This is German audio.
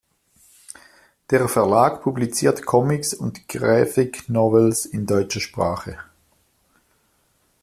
Der Verlag publiziert Comics und Graphic Novels in deutscher Sprache.